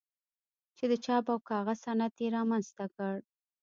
چې د چاپ او کاغذ صنعت یې رامنځته کړ.